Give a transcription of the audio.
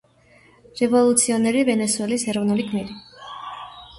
რევოლუციონერი, ვენესუელის ეროვნული გმირი.